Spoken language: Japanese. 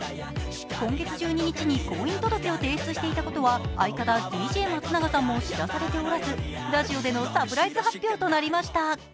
今月１２日に婚姻届を提出していたことは相方ＤＪ松永さんも知らされておらずラジオでのサプライズ発表となりました。